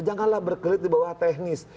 janganlah berkret di bawah teknis